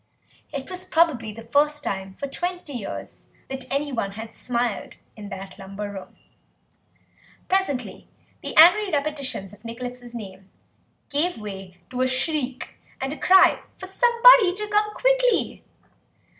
It was probably the first time for twenty years that anyone had smiled in that lumber room. Presently the angry repetitions of Nicholas' name gave way to a shriek, and a cry for somebody to come quickly.